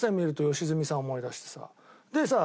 でさ